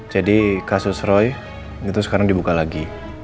jadi kasus roy itu sekarang dibuka lagi